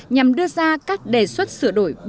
nhằm đưa ra các đề xuất sửa đổi